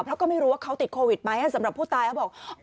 เพราะก็ไม่รู้ว่าเขาติดโควิดไหมสำหรับผู้ตายเขาบอก